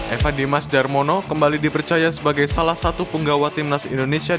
evan dimas darmono kembali dipercaya sebagai salah satu penggawa tim nasional indonesia